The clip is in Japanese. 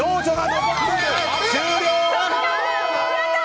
終了！